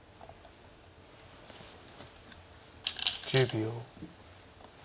１０秒。